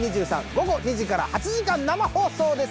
午後２時から８時間生放送です